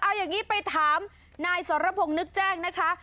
เอาอย่างนี้ไปถามนายสรพงศ์นึกแจ้งนะคะ